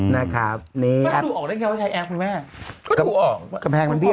นะครับ